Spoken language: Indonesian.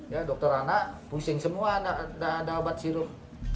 ya dokter anak pusing semua tidak ada obat sirup